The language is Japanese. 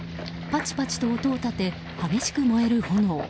パチパチと音を立て激しく燃える炎。